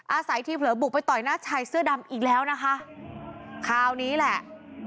อาศัยที่เผลอบุกไปต่อยหน้าชายเสื้อดำอีกแล้วนะคะคราวนี้แหละ